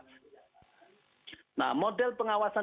nah model pengawasan dan pengawasan